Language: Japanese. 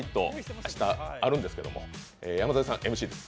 明日あるんですけども山添さん、ＭＣです。